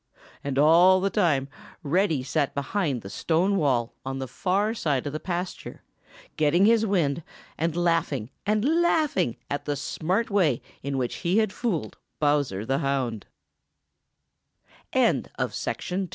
And all the time Reddy sat behind the stone wall on the far side of the pasture, getting his wind and laughing and laughing at the smart way in which he had fooled Bowser the Hou